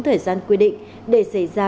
thời gian quy định để xảy ra